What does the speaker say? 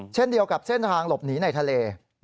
เช่นเดียวกับเส้นทางหลบหนีในทะเล